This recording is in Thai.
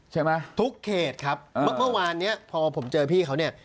ใช่ไหมทุกเขตครับเมื่อเมื่อวานเนี้ยพอผมเจอพี่เขาเนี่ย